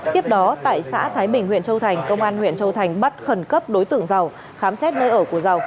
tiếp đó tại xã thái bình huyện châu thành công an huyện châu thành bắt khẩn cấp đối tượng giàu khám xét nơi ở của giàu